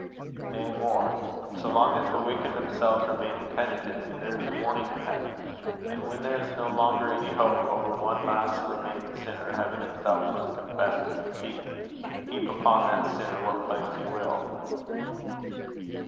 Nay more: so long as the wicked themselves remain impenitent, there is mourning in heaven; and when there is no longer any hope over one last remaining sinner, heaven itself must confess its defeat, heap upon that sinner what plagues you will."